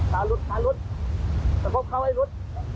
อ๋อหลอดทางหลุดสะพบเข้าให้หลุด